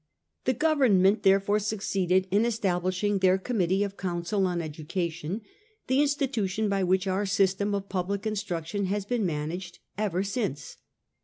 The Government therefore succeeded in establishing their Committee of Council on Education, the institution by which our system of public instruction has been managed ever since.